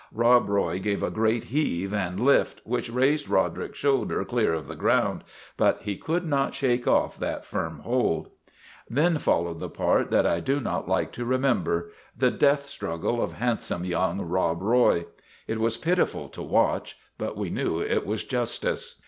" Rob Roy gave a great heave and lift, which raised Roderick's shoulders clear of the ground; but he could not shake off that firm hold. : Then followed the part that I do not like to re member the death struggle of handsome young Rob Roy. It was pitiful to watch; but we knew it was justice.